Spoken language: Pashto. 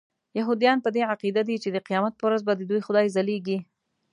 یهودان په دې عقیده دي چې د قیامت په ورځ به ددوی خدای ځلیږي.